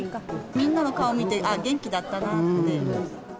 みんなの顔見て、あっ、元気だったなって。